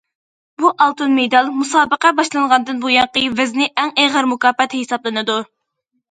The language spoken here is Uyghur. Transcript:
بۇ ئالتۇن مېدال مۇسابىقە باشلانغاندىن بۇيانقى ۋەزنى ئەڭ ئېغىر مۇكاپات ھېسابلىنىدۇ.